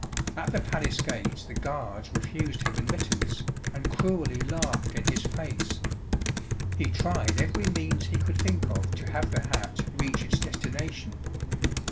At the palace gates the guards refused him admittance, and cruelly laughed in his face. He tried every means he could think of to have the hat reach its destination.